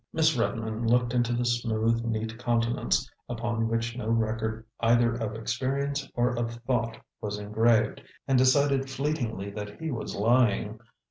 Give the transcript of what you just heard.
Miss Redmond looked into the smooth, neat countenance, upon which no record either of experience or of thought was engraved, and decided fleetingly that he was lying.